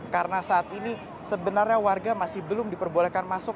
karena saat ini sebenarnya warga masih belum diperbolehkan masuk